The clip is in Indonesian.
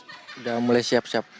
udah mulai siap siap